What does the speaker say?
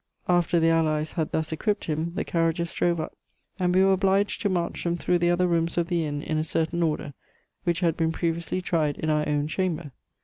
After the Allies had thus equipped him, the carriages drove up, and we were obliged to march them through the other rooms of the inn in a certain order, which had been previously tried in our own chamber.